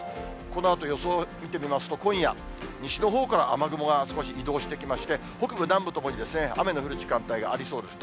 このあと予想を見てみますと、今夜、西のほうから雨雲が少し移動してきまして、北部、南部ともに雨の降る時間帯がありそうです。